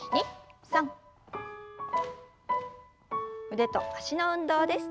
腕と脚の運動です。